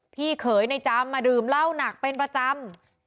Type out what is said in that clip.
พี่เขยในจำมาดื่มเหล้าหนักเป็นประจำ